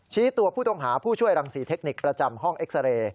ชี้ตัวผู้ต้องหาผู้ช่วยรังศรีเทคนิคประจำห้องเอ็กซาเรย์